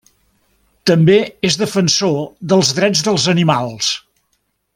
També és defensor dels drets dels animals.